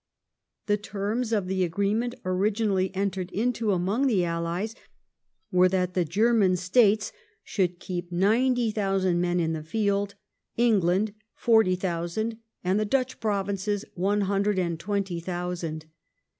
The terms of the agreement originally entered into among the Allies were that the German VOL. II. H 98 THE KEIGN OF QUEEN ANNE. ch. xxv. States should keep ninety thousand men in the field, England forty thousand, and the Dutch Provinces one hundred and twenty thousand.